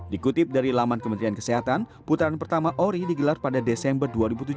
dikutip dari laman kementerian kesehatan putaran pertama ori digelar pada desember dua ribu tujuh belas